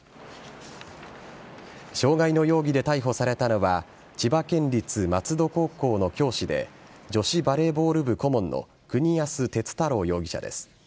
傷害の容疑で逮捕されたのは千葉県立松戸高校の教師で女子バレーボール部顧問の国安鉄太郎容疑者です。